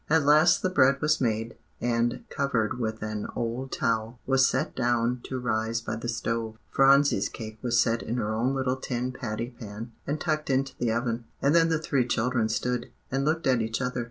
At last the bread was made, and, covered with an old towel, was set down to rise by the stove; Phronsie's cake was set in her own little tin patty pan, and tucked into the oven; and then the three children stood and looked at each other.